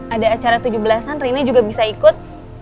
ada acara tujuh belas an rini juga bisa ikut